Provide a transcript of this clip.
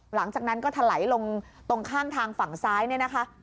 หลังจากนั้นก็ถลายลงตรงข้างทางฝั่งซ้ายเนี่ยนะคะ